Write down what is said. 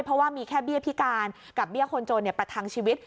เพราะว่ามีแค่เบี้ยพิการกับเบี้ยคนจนประทังชีวิต